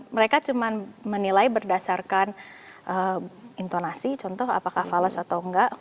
mereka cuma menilai berdasarkan intonasi contoh apakah falas atau enggak